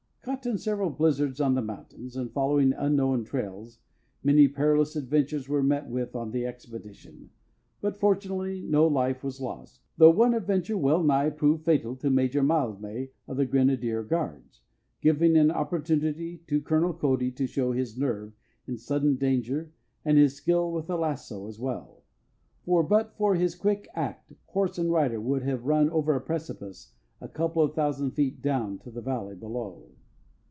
Caught in several blizzards on the mountains, and following unknown trails, many perilous adventures were met with on the expedition, but fortunately no life was lost, though one adventure well nigh proved fatal to Major Mildmay of the Grenadier Guards, giving an opportunity to Colonel Cody to show his nerve in sudden danger and his skill with a lasso as well, for, but for his quick act, horse and rider would have run over a precipice a couple of thousand feet down to the valley below.